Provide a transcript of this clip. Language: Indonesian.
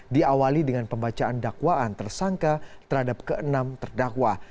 diawali dengan pembacaan dakwaan tersangka terhadap ke enam terdakwa